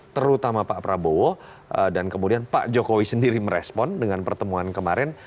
terutama pak prabowo dan kemudian pak jokowi sendiri merespon dengan pertemuan kemarin